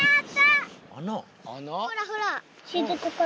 ほらほら。